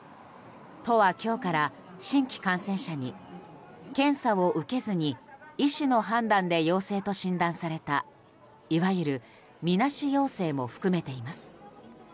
都は今日から、新規感染者に検査を受けずに医師の判断で陽性と診断されたいわゆる、みなし陽性も含めています。